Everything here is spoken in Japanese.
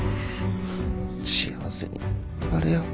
幸せになれよ。